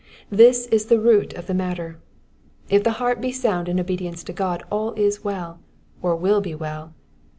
This is the root of the matter. If the heart be sound in obedience to God, all is well, or will be well.